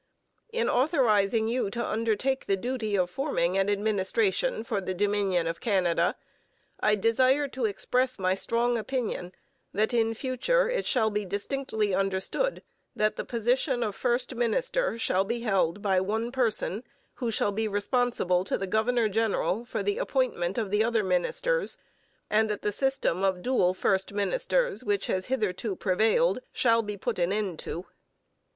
In authorizing you to undertake the duty of forming an administration for the Dominion of Canada, I desire to express my strong opinion that, in future, it shall be distinctly understood that the position of first minister shall be held by one person, who shall be responsible to the Governor General for the appointment of the other ministers, and that the system of dual first ministers, which has hitherto prevailed, shall be put an end to.